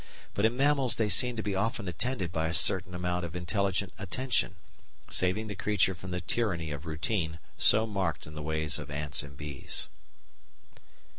But in mammals they seem to be often attended by a certain amount of intelligent attention, saving the creature from the tyranny of routine so marked in the ways of ants and bees.